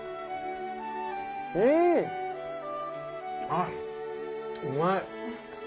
あっうまい。